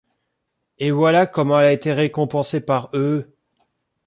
Et voilà comme elle a été récompensée par eux.